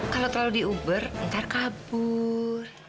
kalau terlalu diuber ntar kabur